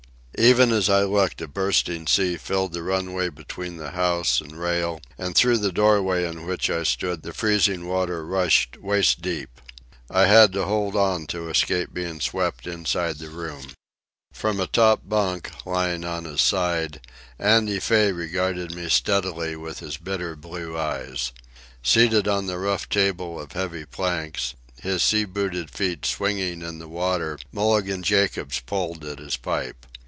Even as I looked a bursting sea filled the runway between the house and rail, and through the doorway in which I stood the freezing water rushed waist deep. I had to hold on to escape being swept inside the room. From a top bunk, lying on his side, Andy Fay regarded me steadily with his bitter blue eyes. Seated on the rough table of heavy planks, his sea booted feet swinging in the water, Mulligan Jacobs pulled at his pipe.